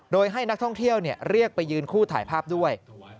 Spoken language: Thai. โดยให้นักท่องเที่ยวเรียกไปยืนคู่ถ่ายภาพด้วย